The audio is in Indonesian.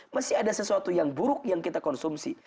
masih ada sesuatu yang buruk yang kita konsumsi